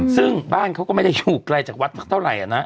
ซึ่งบ้านเขาก็ไม่ได้อยู่ไกลจากวัดมากเท่าไหร่นะ